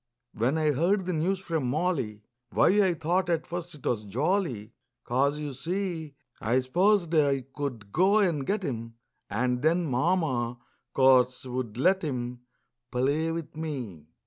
When I heard the news from Molly, Why, I thought at first 't was jolly, 'Cause, you see, I s'posed I could go and get him And then Mama, course, would let him Play with me.